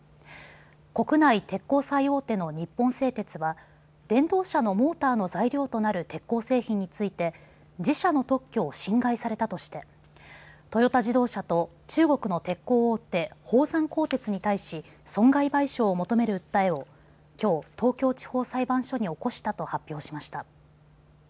国内鉄鋼最大手の日本製鉄は電動車のモーターの材料となる鉄鋼製品について自社の特許を侵害されたとしてトヨタ自動車と中国の鉄鋼大手、宝山鋼鉄に対し損害賠償を求める訴えをきょう、東京地方裁判所に起こしたと発表しました。